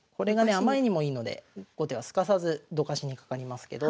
あまりにもいいので後手はすかさずどかしにかかりますけど。